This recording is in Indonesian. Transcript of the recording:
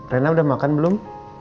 reina udah makan belum